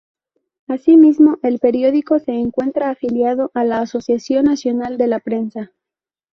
Asimismo, el periódico se encuentra afiliado a la Asociación Nacional de la Prensa.